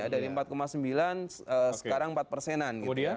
dari empat sembilan sekarang empat persenan